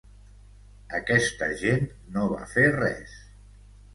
Aquesta gent no va fer res.